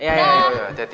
yaudah yaudah jadi